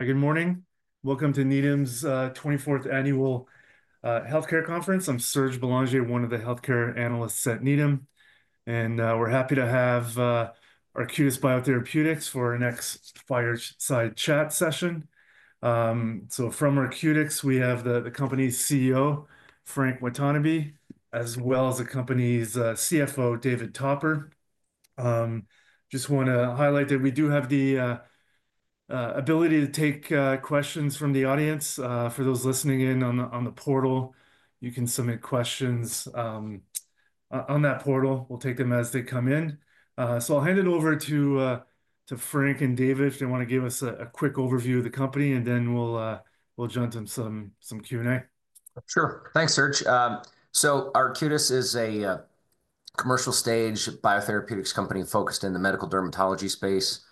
Good morning. Welcome to Needham's 24th Annual Healthcare Conference. I'm Serge Belanger, one of the healthcare analysts at Needham. We are happy to have Arcutis Biotherapeutics for our next fireside chat session. From Arcutis, we have the company's CEO, Frank Watanabe, as well as the company's CFO, David Topper. I just want to highlight that we do have the ability to take questions from the audience. For those listening in on the portal, you can submit questions on that portal. We will take them as they come in. I will hand it over to Frank and David if they want to give us a quick overview of the company, and then we will jump into some Q&A. Sure. Thanks, Serge. Arcutis is a commercial stage biotherapeutics company focused in the medical dermatology space.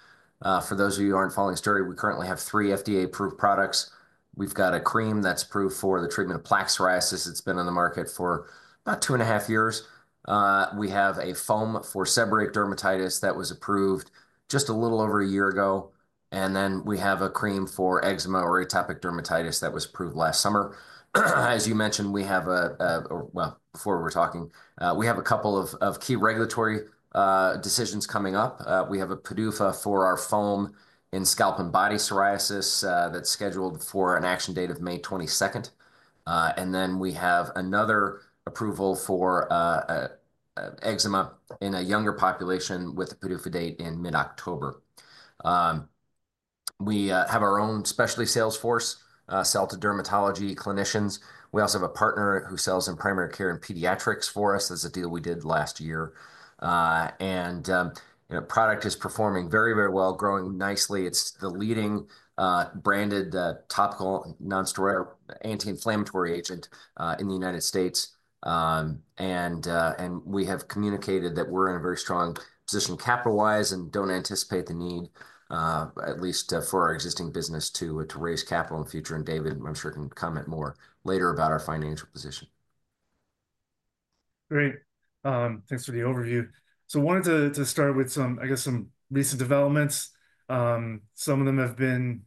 For those of you who aren't following story, we currently have three FDA-approved products. We've got a cream that's approved for the treatment of plaque psoriasis. It's been on the market for about two and a half years. We have a foam for seborrheic dermatitis that was approved just a little over a year ago. We have a cream for eczema or atopic dermatitis that was approved last summer. As you mentioned, before we're talking, we have a couple of key regulatory decisions coming up. We have a PDUFA for our foam in scalp and body psoriasis that's scheduled for an action date of May 22. We have another approval for eczema in a younger population with a PDUFA date in mid-October. We have our own specialty sales force, sell to dermatology clinicians. We also have a partner who sells in primary care and pediatrics for us. That is a deal we did last year. The product is performing very, very well, growing nicely. It is the leading branded topical non-steroidal anti-inflammatory agent in the United States. We have communicated that we are in a very strong position capital-wise and do not anticipate the need, at least for our existing business, to raise capital in the future. David, I am sure can comment more later about our financial position. Great. Thanks for the overview. I wanted to start with some, I guess, some recent developments. Some of them have been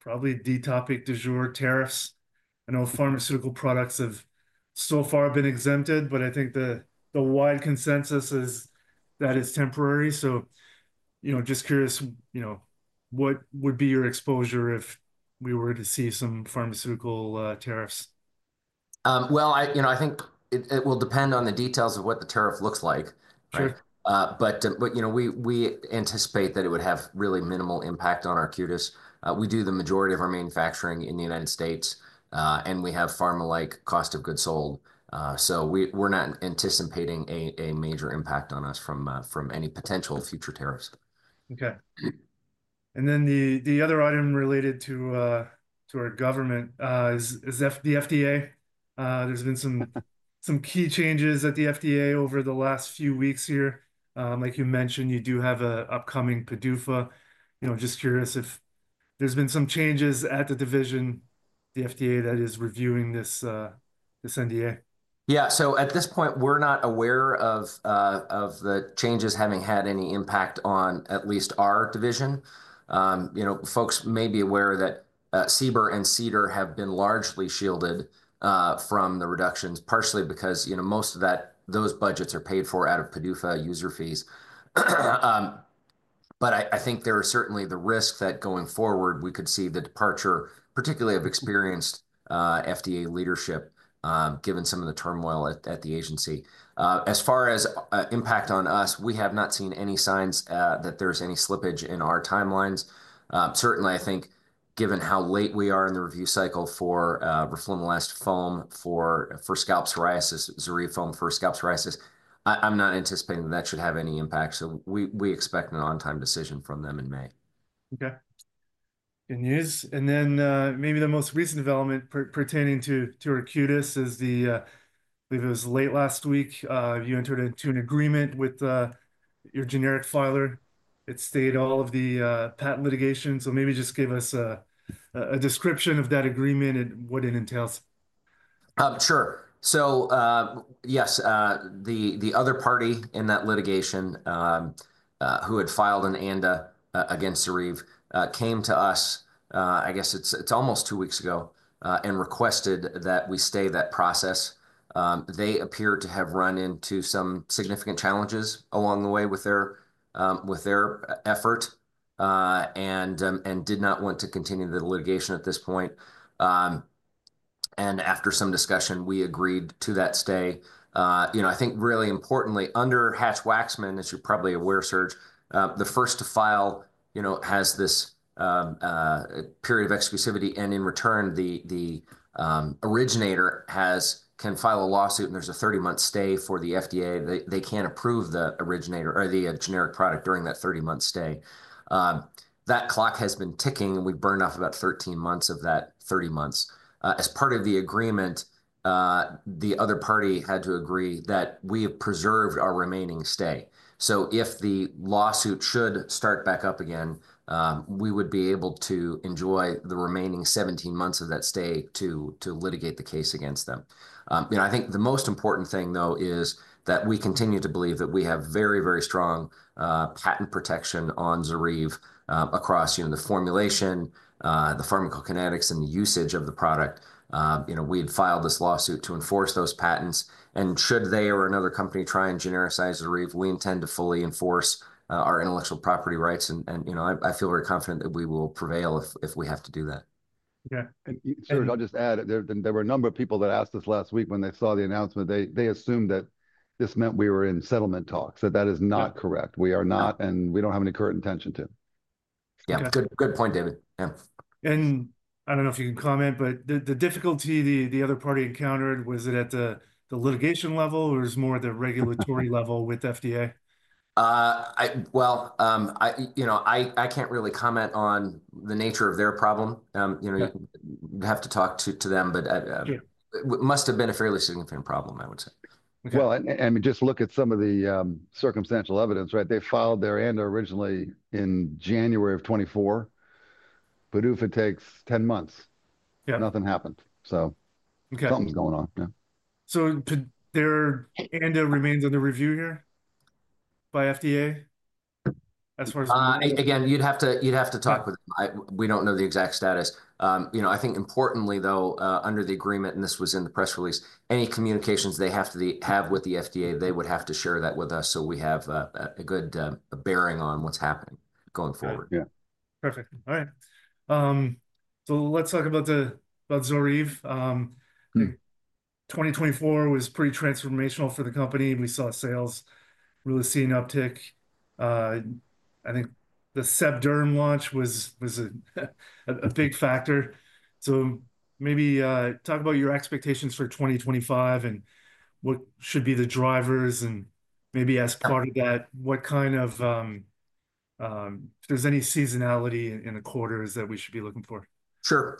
probably the topic du jour, tariffs. I know pharmaceutical products have so far been exempted, but I think the wide consensus is that it's temporary. Just curious, what would be your exposure if we were to see some pharmaceutical tariffs? I think it will depend on the details of what the tariff looks like. But we anticipate that it would have really minimal impact on Arcutis. We do the majority of our manufacturing in the United States, and we have pharma-like cost of goods sold. So we're not anticipating a major impact on us from any potential future tariffs. Okay. The other item related to our government is the FDA. There have been some key changes at the FDA over the last few weeks here. Like you mentioned, you do have an upcoming PDUFA. Just curious if there have been some changes at the division, the FDA that is reviewing this NDA. Yeah. At this point, we're not aware of the changes having had any impact on at least our division. Folks may be aware that CBER and CDER have been largely shielded from the reductions, partially because most of those budgets are paid for out of PDUFA user fees. I think there are certainly the risks that going forward, we could see the departure, particularly of experienced FDA leadership, given some of the turmoil at the agency. As far as impact on us, we have not seen any signs that there's any slippage in our timelines. Certainly, I think, given how late we are in the review cycle for roflumilast foam for scalp psoriasis, Zoryve foam for scalp psoriasis, I'm not anticipating that that should have any impact. We expect an on-time decision from them in May. Okay. Maybe the most recent development pertaining to Arcutis is the, I believe it was late last week, you entered into an agreement with your generic filer. It stayed all of the patent litigation. Maybe just give us a description of that agreement and what it entails. Sure. Yes, the other party in that litigation who had filed an ANDA against Zoryve came to us, I guess it's almost two weeks ago, and requested that we stay that process. They appear to have run into some significant challenges along the way with their effort and did not want to continue the litigation at this point. After some discussion, we agreed to that stay. I think really importantly, under Hatch-Waxman, as you're probably aware, Serge, the first to file has this period of exclusivity. In return, the originator can file a lawsuit, and there's a 30-month stay for the FDA. They can't approve the originator or the generic product during that 30-month stay. That clock has been ticking, and we burned off about 13 months of that 30 months. As part of the agreement, the other party had to agree that we have preserved our remaining stay. If the lawsuit should start back up again, we would be able to enjoy the remaining 17 months of that stay to litigate the case against them. I think the most important thing, though, is that we continue to believe that we have very, very strong patent protection on Zoryve across the formulation, the pharmacokinetics, and the usage of the product. We had filed this lawsuit to enforce those patents. Should they or another company try and genericize Zoryve, we intend to fully enforce our intellectual property rights. I feel very confident that we will prevail if we have to do that. Okay. Serge, I'll just add, there were a number of people that asked us last week when they saw the announcement. They assumed that this meant we were in settlement talks. That is not correct. We are not, and we do not have any current intention to. Yeah. Good point, David. Yeah. I don't know if you can comment, but the difficulty the other party encountered, was it at the litigation level or it was more the regulatory level with FDA? I can't really comment on the nature of their problem. You have to talk to them, but it must have been a fairly significant problem, I would say. And just look at some of the circumstantial evidence, right? They filed their ANDA originally in January of 2024. PDUFA takes 10 months. Nothing happened. Something's going on. Their ANDA remains under review here by FDA as far as. Again, you'd have to talk with them. We don't know the exact status. I think importantly, though, under the agreement, and this was in the press release, any communications they have to have with the FDA, they would have to share that with us so we have a good bearing on what's happening going forward. Perfect. All right. Let's talk about Zoryve. 2024 was pretty transformational for the company. We saw sales really seeing uptick. I think the sebderm launch was a big factor. Maybe talk about your expectations for 2025 and what should be the drivers. Maybe as part of that, what kind of, if there's any seasonality in the quarters that we should be looking for. Sure.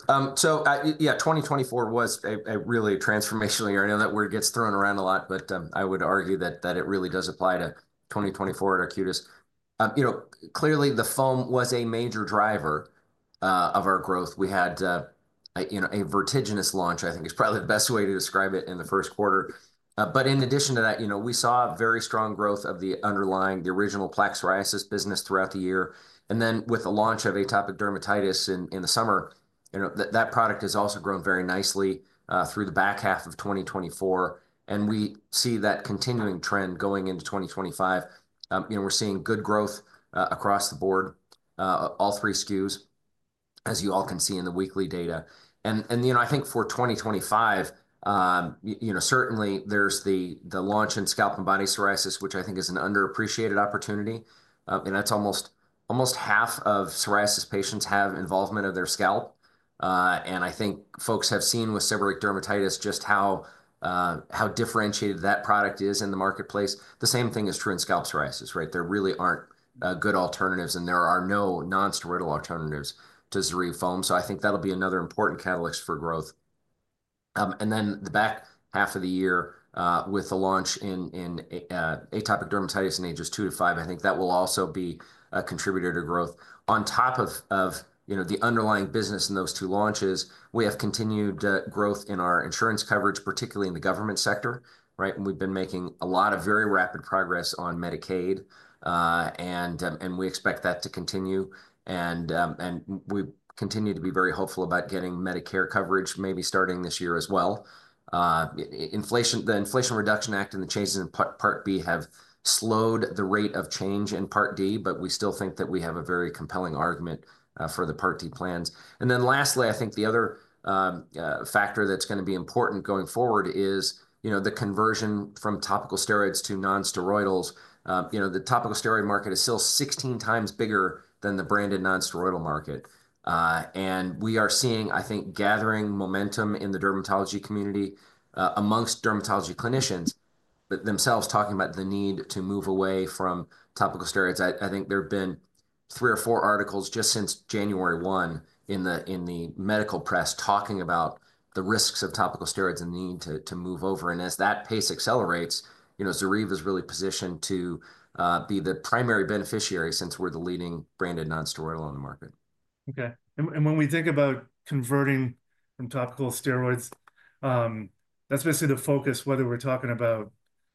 Yeah, 2024 was a really transformational year. I know that word gets thrown around a lot, but I would argue that it really does apply to 2024 at Arcutis. Clearly, the foam was a major driver of our growth. We had a vertiginous launch, I think is probably the best way to describe it in the first quarter. In addition to that, we saw very strong growth of the underlying, the original plaque psoriasis business throughout the year. With the launch of atopic dermatitis in the summer, that product has also grown very nicely through the back half of 2024. We see that continuing trend going into 2025. We're seeing good growth across the board, all three SKUs, as you all can see in the weekly data. I think for 2025, certainly there's the launch in scalp and body psoriasis, which I think is an underappreciated opportunity. That's almost half of psoriasis patients have involvement of their scalp. I think folks have seen with seborrheic dermatitis just how differentiated that product is in the marketplace. The same thing is true in scalp psoriasis, right? There really aren't good alternatives, and there are no non-steroidal alternatives to Zoryve foam. I think that'll be another important catalyst for growth. The back half of the year with the launch in atopic dermatitis in ages 2 to 5, I think that will also be a contributor to growth. On top of the underlying business in those two launches, we have continued growth in our insurance coverage, particularly in the government sector, right? We've been making a lot of very rapid progress on Medicaid. We expect that to continue. We continue to be very hopeful about getting Medicare coverage maybe starting this year as well. The Inflation Reduction Act and the changes in Part B have slowed the rate of change in Part D, but we still think that we have a very compelling argument for the Part D plans. Lastly, I think the other factor that's going to be important going forward is the conversion from topical steroids to non-steroidals. The topical steroid market is still 16 times bigger than the branded non-steroidal market. We are seeing, I think, gathering momentum in the dermatology community amongst dermatology clinicians themselves talking about the need to move away from topical steroids. I think there have been three or four articles just since January 1 in the medical press talking about the risks of topical steroids and the need to move over. As that pace accelerates, Zoryve is really positioned to be the primary beneficiary since we're the leading branded non-steroidal on the market. Okay. When we think about converting from topical steroids, that's basically the focus, whether we're talking about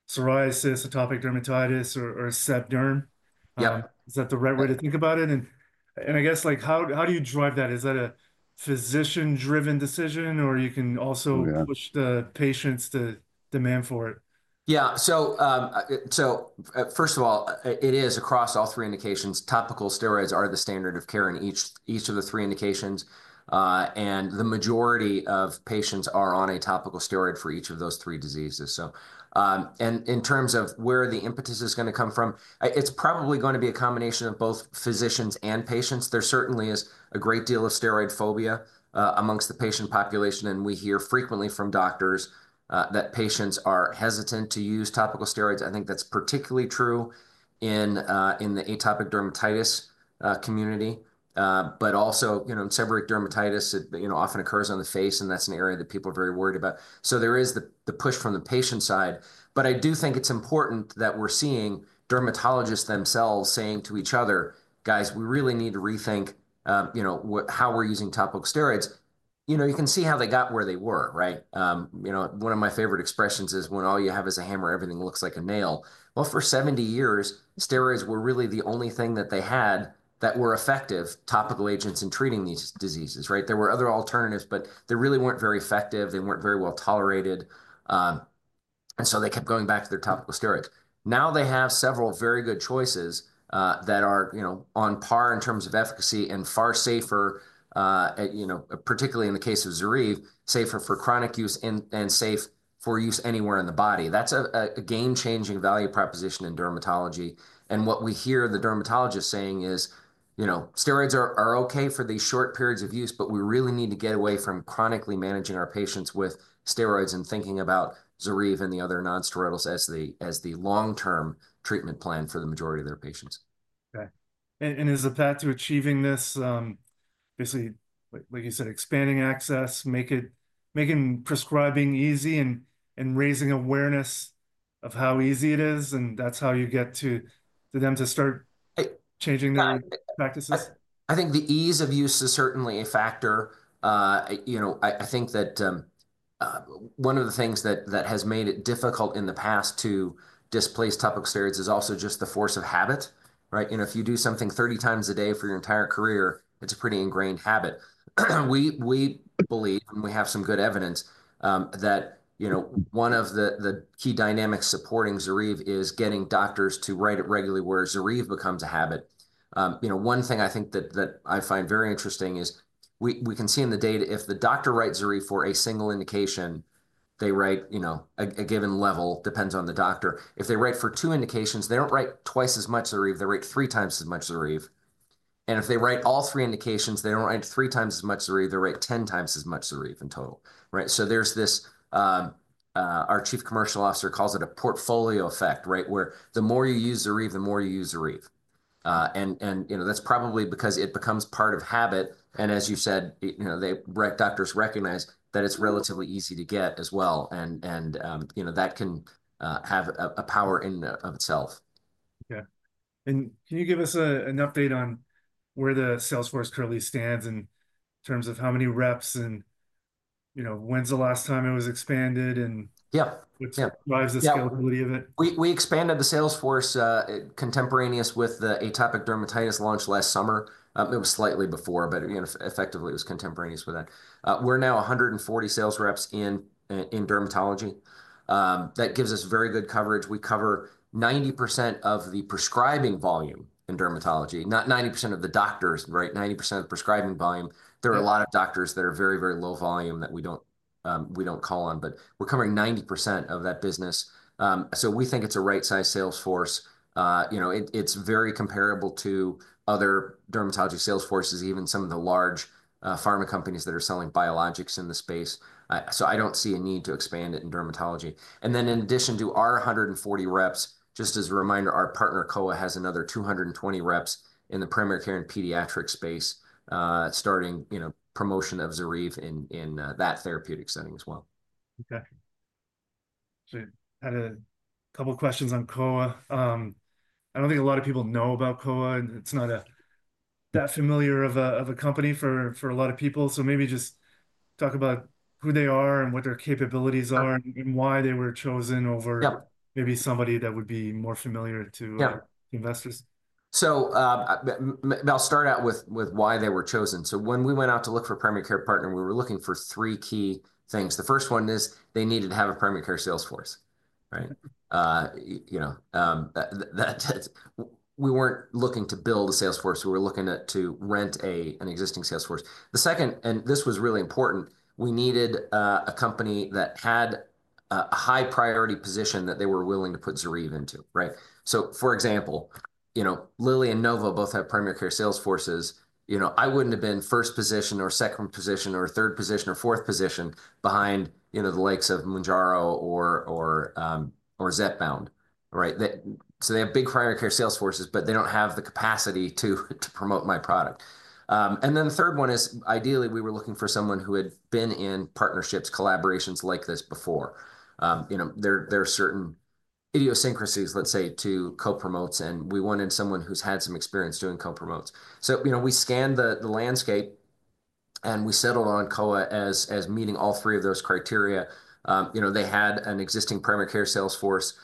psoriasis, atopic dermatitis, or sebderm. Is that the right way to think about it? I guess, how do you drive that? Is that a physician-driven decision, or can you also push the patients to demand for it? Yeah. First of all, it is across all three indications. Topical steroids are the standard of care in each of the three indications. The majority of patients are on a topical steroid for each of those three diseases. In terms of where the impetus is going to come from, it's probably going to be a combination of both physicians and patients. There certainly is a great deal of steroid phobia amongst the patient population. We hear frequently from doctors that patients are hesitant to use topical steroids. I think that's particularly true in the atopic dermatitis community. Also in seborrheic dermatitis, it often occurs on the face, and that's an area that people are very worried about. There is the push from the patient side. I do think it's important that we're seeing dermatologists themselves saying to each other, "Guys, we really need to rethink how we're using topical steroids." You can see how they got where they were, right? One of my favorite expressions is, "When all you have is a hammer, everything looks like a nail." For 70 years, steroids were really the only thing that they had that were effective topical agents in treating these diseases, right? There were other alternatives, but they really weren't very effective. They weren't very well tolerated. They kept going back to their topical steroids. Now they have several very good choices that are on par in terms of efficacy and far safer, particularly in the case of Zoryve, safer for chronic use and safe for use anywhere in the body. That's a game-changing value proposition in dermatology. What we hear the dermatologists saying is, "Steroids are okay for these short periods of use, but we really need to get away from chronically managing our patients with steroids and thinking about Zoryve and the other non-steroidals as the long-term treatment plan for the majority of their patients. Okay. Is the path to achieving this basically, like you said, expanding access, making prescribing easy, and raising awareness of how easy it is? That is how you get them to start changing their practices? I think the ease of use is certainly a factor. I think that one of the things that has made it difficult in the past to displace topical steroids is also just the force of habit, right? If you do something 30 times a day for your entire career, it's a pretty ingrained habit. We believe, and we have some good evidence, that one of the key dynamics supporting Zoryve is getting doctors to write it regularly where Zoryve becomes a habit. One thing I think that I find very interesting is we can see in the data, if the doctor writes Zoryve for a single indication, they write a given level, depends on the doctor. If they write for two indications, they do not write twice as much Zoryve. They write three times as much Zoryve. If they write all three indications, they do not write three times as much Zoryve. They write 10 times as much Zoryve in total, right? There is this, our Chief Commercial Officer calls it a portfolio effect, right, where the more you use Zoryve, the more you use Zoryve. That is probably because it becomes part of habit. As you said, doctors recognize that it is relatively easy to get as well. That can have a power in and of itself. Okay. Can you give us an update on where the sales force currently stands in terms of how many reps and when's the last time it was expanded and what drives the scalability of it? We expanded the sales force contemporaneous with the atopic dermatitis launch last summer. It was slightly before, but effectively, it was contemporaneous with that. We're now 140 sales reps in dermatology. That gives us very good coverage. We cover 90% of the prescribing volume in dermatology, not 90% of the doctors, right? 90% of the prescribing volume. There are a lot of doctors that are very, very low volume that we don't call on, but we're covering 90% of that business. We think it's a right-sized sales force. It's very comparable to other dermatology sales forces, even some of the large pharma companies that are selling biologics in the space. I don't see a need to expand it in dermatology. In addition to our 140 reps, just as a reminder, our partner Kowa has another 220 reps in the primary care and pediatric space, starting promotion of Zoryve in that therapeutic setting as well. Okay. I had a couple of questions on Kowa. I do not think a lot of people know about Kowa. It is not that familiar of a company for a lot of people. Maybe just talk about who they are and what their capabilities are and why they were chosen over maybe somebody that would be more familiar to investors. I'll start out with why they were chosen. When we went out to look for a primary care partner, we were looking for three key things. The first one is they needed to have a primary care sales force, right? We weren't looking to build a sales force. We were looking to rent an existing sales force. The second, and this was really important, we needed a company that had a high-priority position that they were willing to put Zoryve into, right? For example, Lilly and Novo both have primary care sales forces. I wouldn't have been first position or second position or third position or fourth position behind the likes of Mounjaro or Zepbound, right? They have big primary care sales forces, but they don't have the capacity to promote my product. The third one is, ideally, we were looking for someone who had been in partnerships, collaborations like this before. There are certain idiosyncrasies, let's say, to co-promotes, and we wanted someone who's had some experience doing co-promotes. We scanned the landscape, and we settled on Kowa as meeting all three of those criteria. They had an existing primary care sales force.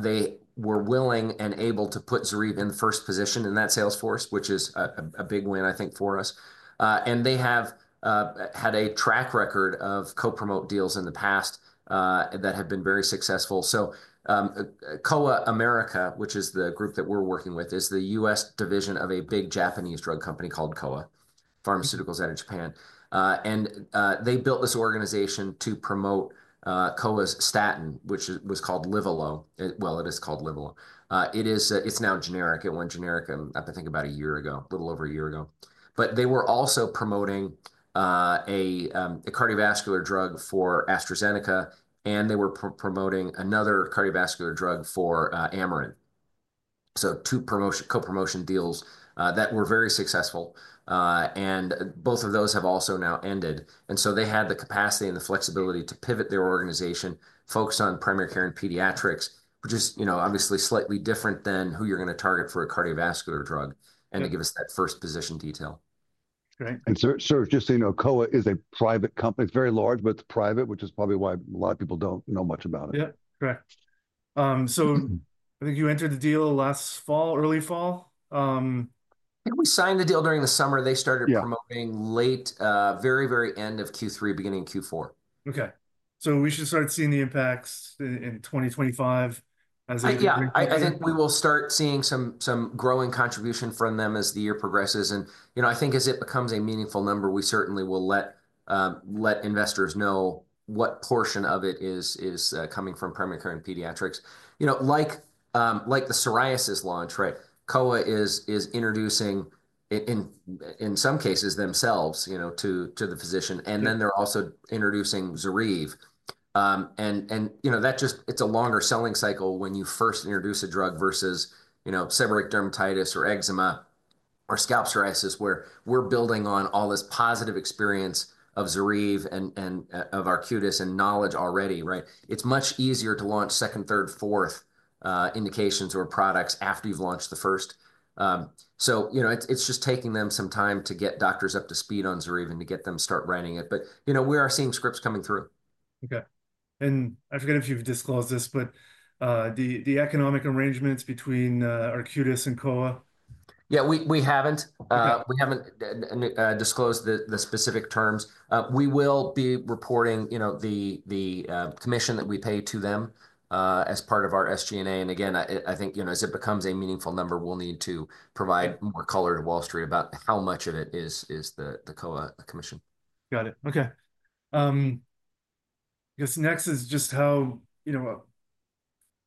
They were willing and able to put Zoryve in the first position in that sales force, which is a big win, I think, for us. They have had a track record of co-promote deals in the past that have been very successful. Kowa Pharmaceuticals America, which is the group that we're working with, is the US division of a big Japanese drug company called Kowa Pharmaceuticals out of Japan. They built this organization to promote Kowa's statin, which was called Livalo. It is called Livalo. It's now generic. It went generic, I think, about a year ago, a little over a year ago. They were also promoting a cardiovascular drug for AstraZeneca, and they were promoting another cardiovascular drug for Amarin. Two co-promotion deals that were very successful. Both of those have also now ended. They had the capacity and the flexibility to pivot their organization, focus on primary care and pediatrics, which is obviously slightly different than who you're going to target for a cardiovascular drug and to give us that first position detail. Right. Just so you know, Kowa is a private company. It's very large, but it's private, which is probably why a lot of people don't know much about it. Yeah. Correct. I think you entered the deal last fall, early fall. We signed the deal during the summer. They started promoting late, very, very end of Q3, beginning of Q4. Okay. We should start seeing the impacts in 2025 as they begin. I think we will start seeing some growing contribution from them as the year progresses. I think as it becomes a meaningful number, we certainly will let investors know what portion of it is coming from primary care and pediatrics. Like the psoriasis launch, right? Kowa is introducing in some cases themselves to the physician, and then they're also introducing Zoryve. That just, it's a longer selling cycle when you first introduce a drug versus seborrheic dermatitis or eczema or scalp psoriasis where we're building on all this positive experience of Zoryve and of Arcutis and knowledge already, right? It's much easier to launch second, third, fourth indications or products after you've launched the first. It is just taking them some time to get doctors up to speed on Zoryve and to get them to start writing it. We are seeing scripts coming through. Okay. I forget if you've disclosed this, but the economic arrangements between Arcutis and Kowa. Yeah, we haven't. We haven't disclosed the specific terms. We will be reporting the commission that we pay to them as part of our SG&A. I think as it becomes a meaningful number, we'll need to provide more color to Wall Street about how much of it is the Kowa commission. Got it. Okay. I guess next is just how,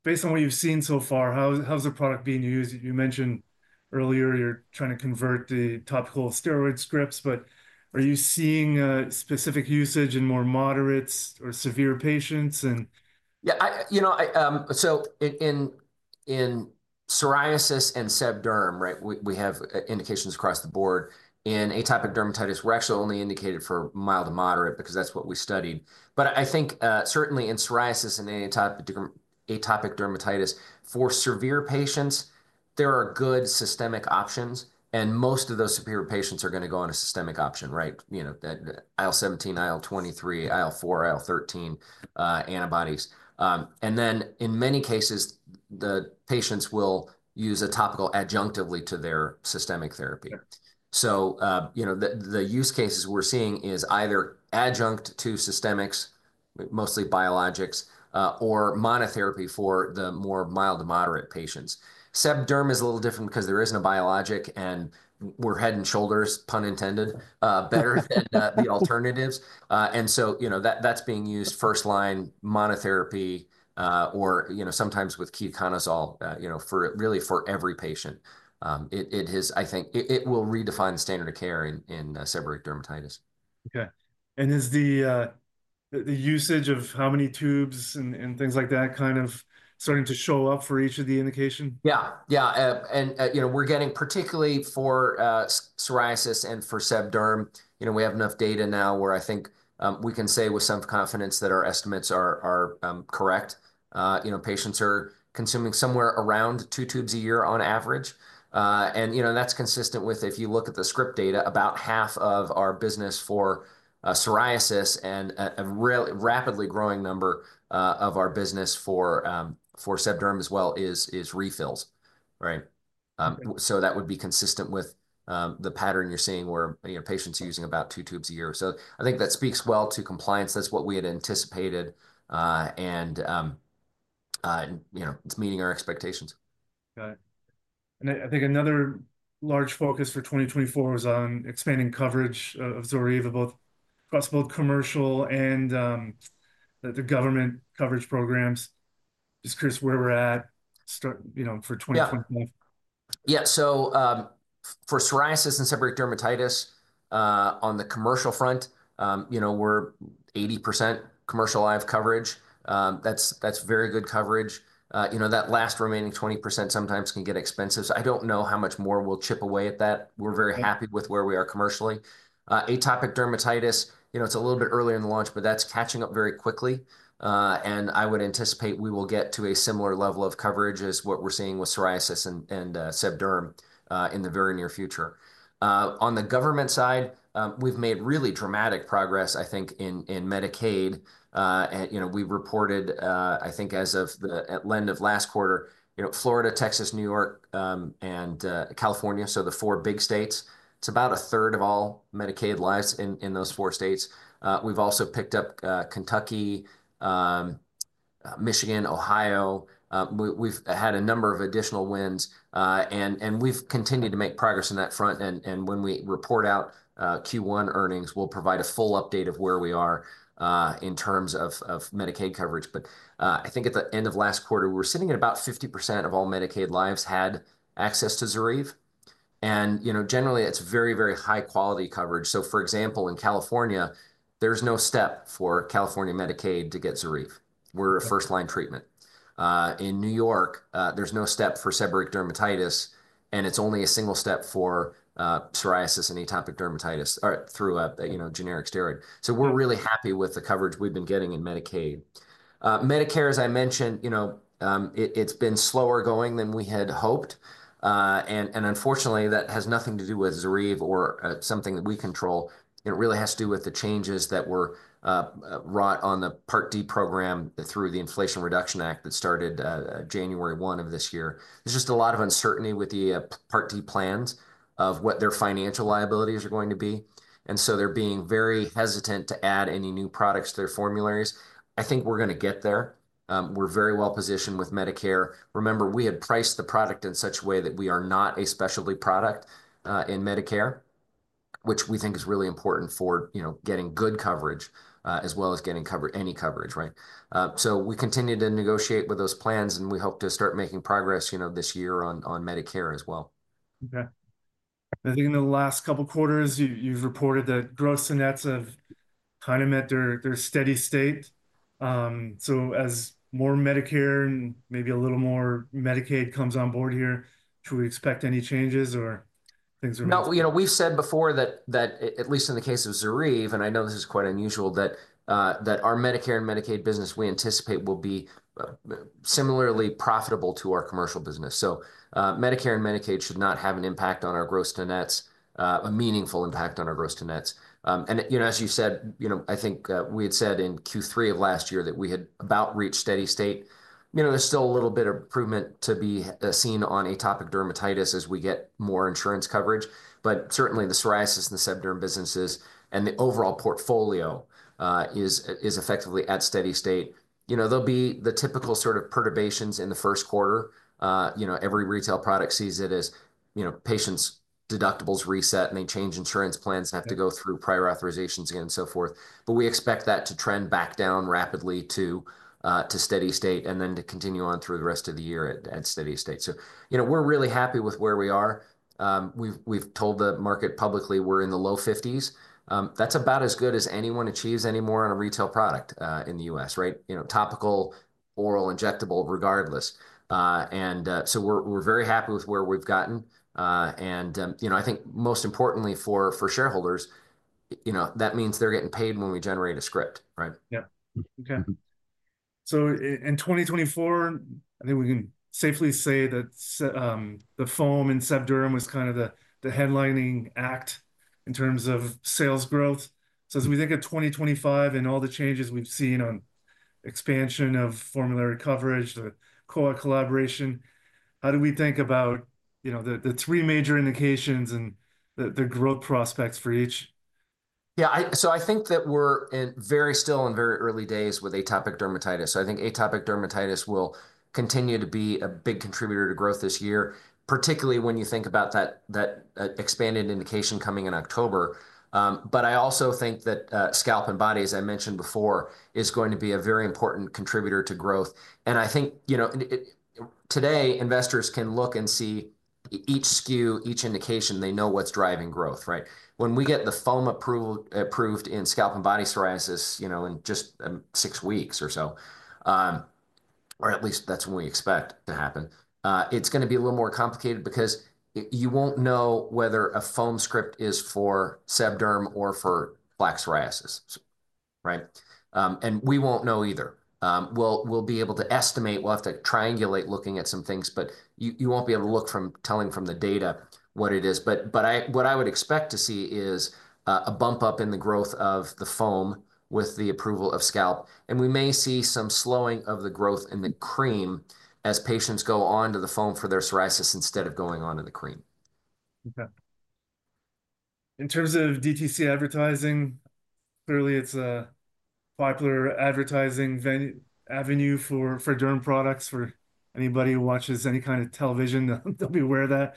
based on what you've seen so far, how's the product being used? You mentioned earlier you're trying to convert the topical steroid scripts, but are you seeing specific usage in more moderates or severe patients? Yeah. In psoriasis and sebderm, right, we have indications across the board. In atopic dermatitis, we're actually only indicated for mild to moderate because that's what we studied. I think certainly in psoriasis and atopic dermatitis, for severe patients, there are good systemic options. Most of those severe patients are going to go on a systemic option, right? IL-17, IL-23, IL-4, IL-13 antibodies. In many cases, the patients will use a topical adjunctively to their systemic therapy. The use cases we're seeing is either adjunct to systemics, mostly biologics, or monotherapy for the more mild to moderate patients. sebderm is a little different because there isn't a biologic, and we're head and shoulders, pun intended, better than the alternatives. That's being used first-line monotherapy or sometimes with ketoconazole really for every patient. I think it will redefine the standard of care in seborrheic dermatitis. Okay. Is the usage of how many tubes and things like that kind of starting to show up for each of the indications? Yeah. Yeah. We're getting, particularly for psoriasis and for sebderm, we have enough data now where I think we can say with some confidence that our estimates are correct. Patients are consuming somewhere around two tubes a year on average. That's consistent with, if you look at the script data, about half of our business for psoriasis and a rapidly growing number of our business for sebderm as well is refills, right? That would be consistent with the pattern you're seeing where patients are using about two tubes a year. I think that speaks well to compliance. That's what we had anticipated. It's meeting our expectations. Got it. I think another large focus for 2024 is on expanding coverage of Zoryve across both commercial and the government coverage programs. Just curious where we're at for 2024. Yeah. For psoriasis and seborrheic dermatitis on the commercial front, we're 80% commercial live coverage. That's very good coverage. That last remaining 20% sometimes can get expensive. I don't know how much more we'll chip away at that. We're very happy with where we are commercially. Atopic dermatitis, it's a little bit earlier in the launch, but that's catching up very quickly. I would anticipate we will get to a similar level of coverage as what we're seeing with psoriasis and sebderm in the very near future. On the government side, we've made really dramatic progress, I think, in Medicaid. We reported, I think, as of the end of last quarter, Florida, Texas, New York, and California, so the four big states. It's about a third of all Medicaid lives in those four states. We've also picked up Kentucky, Michigan, Ohio. We've had a number of additional wins. We've continued to make progress on that front. When we report out Q1 earnings, we'll provide a full update of where we are in terms of Medicaid coverage. I think at the end of last quarter, we were sitting at about 50% of all Medicaid lives had access to Zoryve. Generally, it's very, very high-quality coverage. For example, in California, there's no step for California Medicaid to get Zoryve. We're a first-line treatment. In New York, there's no step for seborrheic dermatitis. It's only a single step for psoriasis and atopic dermatitis through a generic steroid. We're really happy with the coverage we've been getting in Medicaid. Medicare, as I mentioned, it's been slower going than we had hoped. Unfortunately, that has nothing to do with Zoryve or something that we control. It really has to do with the changes that were wrought on the Part D program through the Inflation Reduction Act that started January 1 of this year. There's just a lot of uncertainty with the Part D plans of what their financial liabilities are going to be. They're being very hesitant to add any new products to their formularies. I think we're going to get there. We're very well positioned with Medicare. Remember, we had priced the product in such a way that we are not a specialty product in Medicare, which we think is really important for getting good coverage as well as getting any coverage, right? We continue to negotiate with those plans, and we hope to start making progress this year on Medicare as well. Okay. I think in the last couple of quarters, you've reported that gross and nets have kind of met their steady state. As more Medicare and maybe a little more Medicaid comes on board here, should we expect any changes or things? No. We've said before that, at least in the case of Zoryve, and I know this is quite unusual, that our Medicare and Medicaid business, we anticipate will be similarly profitable to our commercial business. Medicare and Medicaid should not have an impact on our gross to nets, a meaningful impact on our gross to nets. As you said, I think we had said in Q3 of last year that we had about reached steady state. There is still a little bit of improvement to be seen on atopic dermatitis as we get more insurance coverage. Certainly, the psoriasis and the sebderm businesses and the overall portfolio is effectively at steady state. There will be the typical sort of perturbations in the first quarter. Every retail product sees it as patients' deductibles reset, and they change insurance plans and have to go through prior authorizations again and so forth. We expect that to trend back down rapidly to steady state and then to continue on through the rest of the year at steady state. We are really happy with where we are. We have told the market publicly we are in the low 50s. That is about as good as anyone achieves anymore on a retail product in the U.S., right? Topical, oral, injectable, regardless. We are very happy with where we have gotten. I think most importantly for shareholders, that means they are getting paid when we generate a script, right? Yeah. Okay. In 2024, I think we can safely say that the foam and sebderm was kind of the headlining act in terms of sales growth. As we think of 2025 and all the changes we've seen on expansion of formulary coverage, the Kowa collaboration, how do we think about the three major indications and the growth prospects for each? Yeah. I think that we're still in very early days with atopic dermatitis. I think atopic dermatitis will continue to be a big contributor to growth this year, particularly when you think about that expanded indication coming in October. I also think that scalp and body, as I mentioned before, is going to be a very important contributor to growth. I think today, investors can look and see each SKU, each indication, they know what's driving growth, right? When we get the foam approved in scalp and body psoriasis in just six weeks or so, or at least that's what we expect to happen, it's going to be a little more complicated because you won't know whether a foam script is for sebderm or for plaque psoriasis, right? We won't know either. We'll be able to estimate. We'll have to triangulate looking at some things, but you won't be able to tell from the data what it is. What I would expect to see is a bump up in the growth of the foam with the approval of scalp. We may see some slowing of the growth in the cream as patients go on to the foam for their psoriasis instead of going on to the cream. Okay. In terms of DTC advertising, clearly it's a popular advertising avenue for derm products for anybody who watches any kind of television. They'll be aware of that.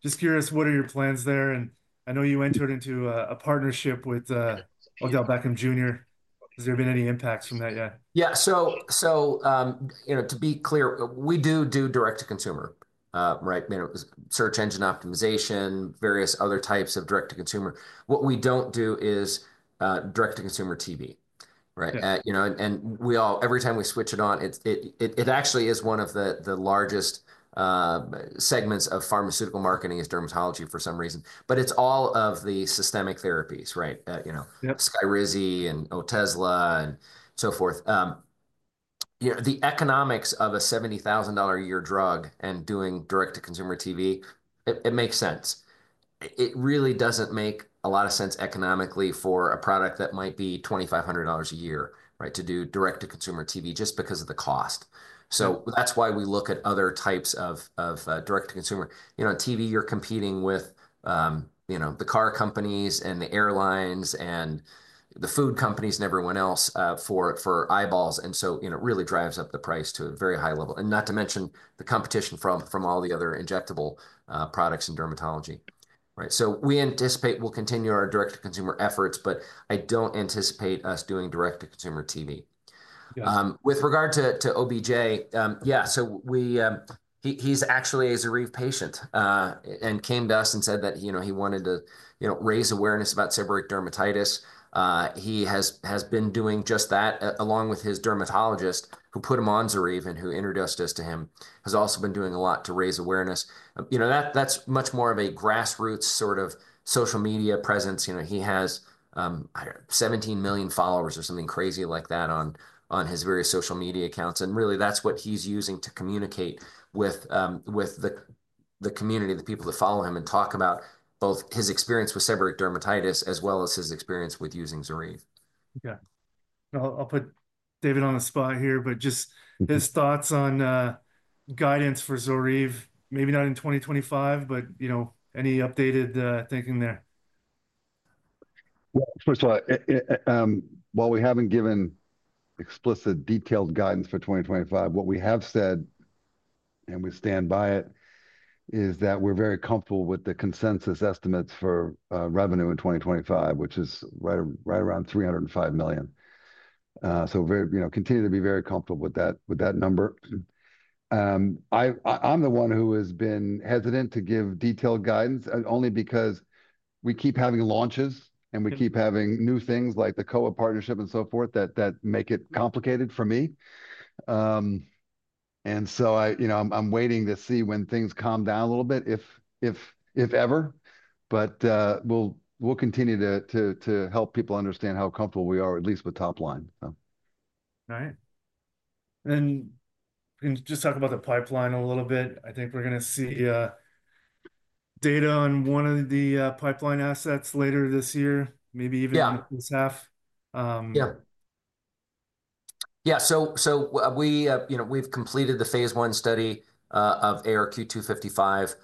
Just curious, what are your plans there? I know you entered into a partnership with Odell Beckham Jr. Has there been any impacts from that yet? Yeah. To be clear, we do do direct-to-consumer, right? Search engine optimization, various other types of direct-to-consumer. What we do not do is direct-to-consumer TV, right? Every time we switch it on, it actually is one of the largest segments of pharmaceutical marketing is dermatology for some reason. It is all of the systemic therapies, right? Skyrizi and Otezla and so forth. The economics of a $70,000 a year drug and doing direct-to-consumer TV, it makes sense. It really does not make a lot of sense economically for a product that might be $2,500 a year, right, to do direct-to-consumer TV just because of the cost. That is why we look at other types of direct-to-consumer. On TV, you are competing with the car companies and the airlines and the food companies, and everyone else for eyeballs. It really drives up the price to a very high level. Not to mention the competition from all the other injectable products in dermatology, right? We anticipate we'll continue our direct-to-consumer efforts, but I don't anticipate us doing direct-to-consumer TV. With regard to OBJ, yeah, so he's actually a Zoryve patient and came to us and said that he wanted to raise awareness about seborrheic dermatitis. He has been doing just that along with his dermatologist who put him on Zoryve and who introduced us to him. He's also been doing a lot to raise awareness. That's much more of a grassroots sort of social media presence. He has 17 million followers or something crazy like that on his various social media accounts. Really, that's what he's using to communicate with the community, the people that follow him and talk about both his experience with seborrheic dermatitis as well as his experience with using Zoryve. Okay. I'll put David on the spot here, but just his thoughts on guidance for Zoryve, maybe not in 2025, but any updated thinking there? First of all, while we haven't given explicit detailed guidance for 2025, what we have said and we stand by it is that we're very comfortable with the consensus estimates for revenue in 2025, which is right around $305 million. We continue to be very comfortable with that number. I'm the one who has been hesitant to give detailed guidance only because we keep having launches and we keep having new things like the Kowa partnership and so forth that make it complicated for me. I am waiting to see when things calm down a little bit, if ever. We will continue to help people understand how comfortable we are, at least with top line. All right. Just talk about the pipeline a little bit. I think we're going to see data on one of the pipeline assets later this year, maybe even this half. Yeah. Yeah. We've completed the phase I study of ARQ-255,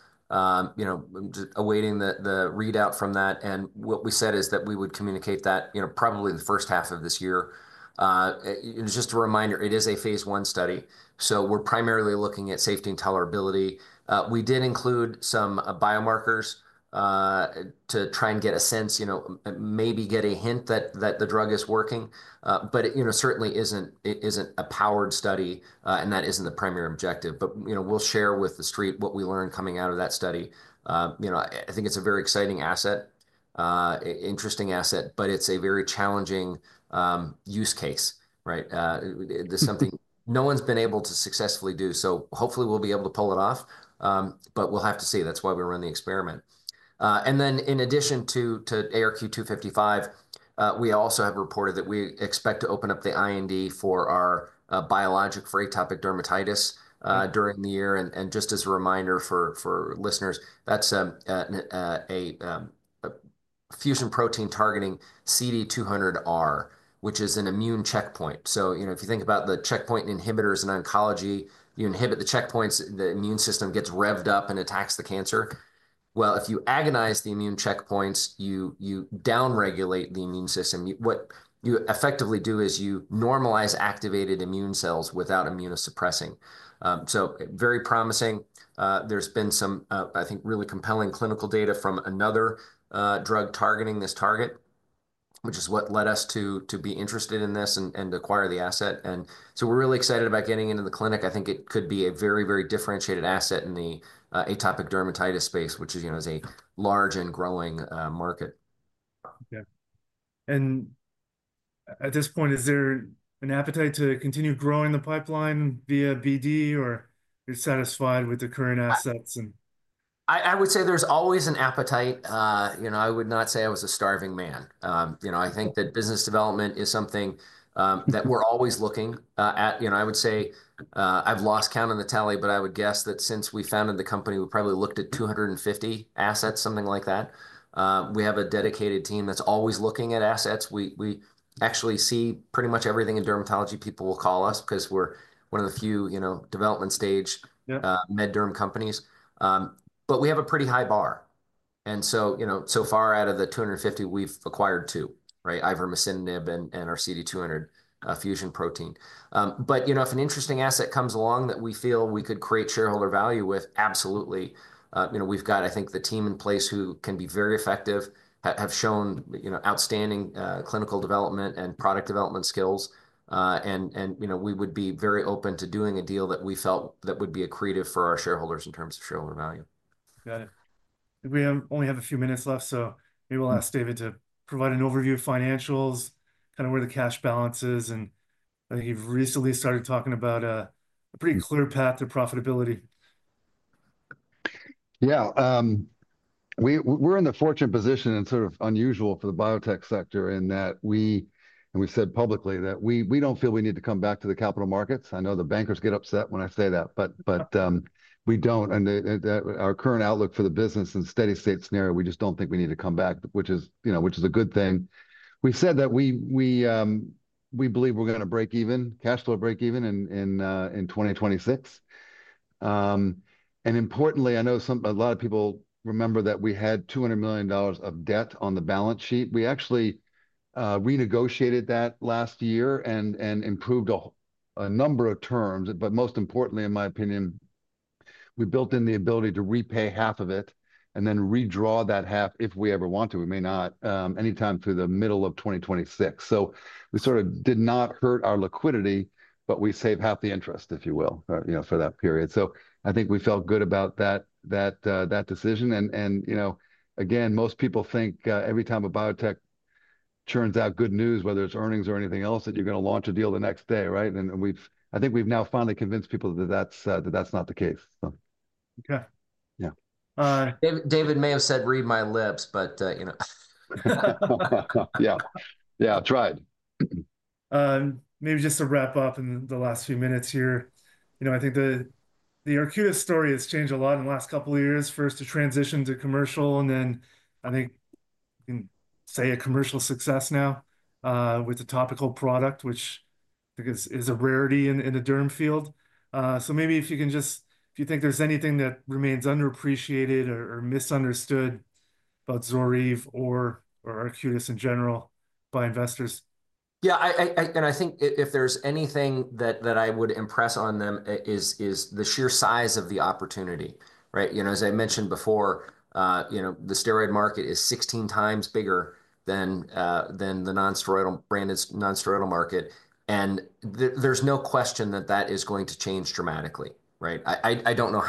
awaiting the readout from that. What we said is that we would communicate that probably the first half of this year. Just a reminder, it is a phase I study. We're primarily looking at safety and tolerability. We did include some biomarkers to try and get a sense, maybe get a hint that the drug is working. It certainly isn't a powered study, and that isn't the primary objective. We'll share with the street what we learned coming out of that study. I think it's a very exciting asset, interesting asset, but it's a very challenging use case, right? This is something no one's been able to successfully do. Hopefully, we'll be able to pull it off. We'll have to see. That's why we run the experiment. In addition to ARQ-255, we also have reported that we expect to open up the IND for our biologic for atopic dermatitis during the year. Just as a reminder for listeners, that's a fusion protein targeting CD200R, which is an immune checkpoint. If you think about the checkpoint inhibitors in oncology, you inhibit the checkpoints, the immune system gets revved up and attacks the cancer. If you agonize the immune checkpoints, you downregulate the immune system. What you effectively do is you normalize activated immune cells without immunosuppressing. Very promising. There's been some, I think, really compelling clinical data from another drug targeting this target, which is what led us to be interested in this and acquire the asset. We're really excited about getting into the clinic. I think it could be a very, very differentiated asset in the atopic dermatitis space, which is a large and growing market. Okay. At this point, is there an appetite to continue growing the pipeline via BD, or you're satisfied with the current assets? I would say there's always an appetite. I would not say I was a starving man. I think that business development is something that we're always looking at. I would say I've lost count on the tally, but I would guess that since we founded the company, we probably looked at 250 assets, something like that. We have a dedicated team that's always looking at assets. We actually see pretty much everything in dermatology. People will call us because we're one of the few development stage MedDerm companies. We have a pretty high bar. So far out of the 250, we've acquired two, right? ivarmacitinib and our CD200 fusion protein. If an interesting asset comes along that we feel we could create shareholder value with, absolutely. We've got, I think, the team in place who can be very effective, have shown outstanding clinical development and product development skills. We would be very open to doing a deal that we felt that would be accretive for our shareholders in terms of shareholder value. Got it. We only have a few minutes left, so maybe we'll ask David to provide an overview of financials, kind of where the cash balance is. I think you've recently started talking about a pretty clear path to profitability. Yeah. We're in the fortunate position and sort of unusual for the biotech sector in that we said publicly that we don't feel we need to come back to the capital markets. I know the bankers get upset when I say that, but we don't. Our current outlook for the business in steady state scenario, we just don't think we need to come back, which is a good thing. We said that we believe we're going to break even, cash flow break even in 2026. Importantly, I know a lot of people remember that we had $200 million of debt on the balance sheet. We actually renegotiated that last year and improved a number of terms. Most importantly, in my opinion, we built in the ability to repay half of it and then redraw that half if we ever want to. We may not anytime through the middle of 2026. We sort of did not hurt our liquidity, but we saved half the interest, if you will, for that period. I think we felt good about that decision. Again, most people think every time a biotech churns out good news, whether it's earnings or anything else, that you're going to launch a deal the next day, right? I think we've now finally convinced people that that's not the case. Okay. Yeah. David may have said, "Read my lips," but. Yeah. Yeah, I tried. Maybe just to wrap up in the last few minutes here, I think the Arcutis story has changed a lot in the last couple of years, first to transition to commercial, and then I think you can say a commercial success now with a topical product, which I think is a rarity in the derm field. Maybe if you can just, if you think there's anything that remains underappreciated or misunderstood about Zoryve or Arcutis in general by investors. Yeah. I think if there's anything that I would impress on them is the sheer size of the opportunity, right? As I mentioned before, the steroid market is 16 times bigger than the non-steroidal market. There's no question that that is going to change dramatically, right? I don't know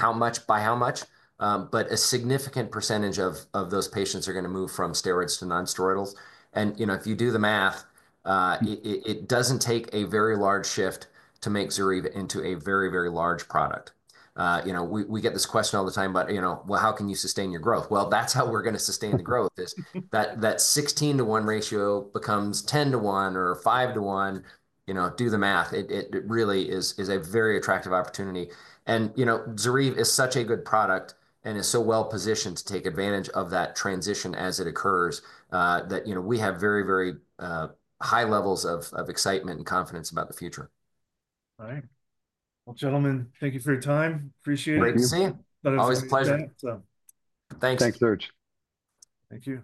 by how much, but a significant percentage of those patients are going to move from steroids to non-steroidals. If you do the math, it doesn't take a very large shift to make Zoryve into a very, very large product. We get this question all the time about, well, how can you sustain your growth? That's how we're going to sustain the growth is that 16 to 1 ratio becomes 10 to 1 or 5 to 1. Do the math. It really is a very attractive opportunity. Zoryve is such a good product and is so well positioned to take advantage of that transition as it occurs that we have very, very high levels of excitement and confidence about the future. All right. Gentlemen, thank you for your time. Appreciate it. Great to see you. Always a pleasure. Thanks. Thanks, Serge. Thank you.